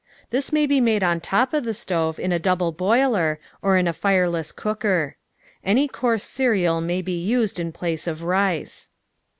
This may be made on top of the stove in a double boiler, or in a fireless cooker. Any coarse cereal may be used in place of rice.